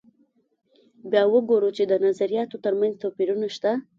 بیا وګورو چې د نظریاتو تر منځ توپیرونه شته.